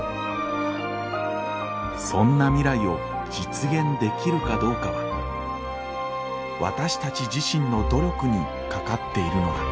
そんな未来を実現できるかどうかは私たち自身の努力にかかっているのだ。